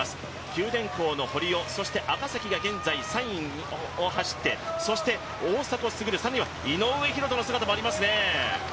九電工の堀尾、赤崎が現在３位を走ってそして大迫傑、更には井上大仁の姿もありますね。